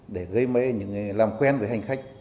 để gây mê những người làm quen với hành khách